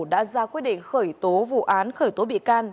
đã ra quyết định khởi tố vụ án khởi tố bị can